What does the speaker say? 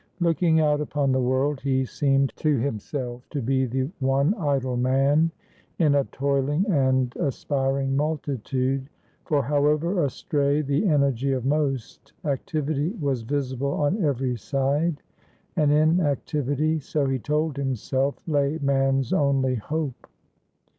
Looking out upon the world, he seemed to himself to be the one idle man in a toiling and aspiring multitude; for, however astray the energy of most, activity was visible on every side, and in activityso he told himselflay man's only hope.